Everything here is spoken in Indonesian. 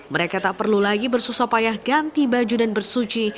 mereka tak perlu lagi bersusah payah ganti baju dan bersuci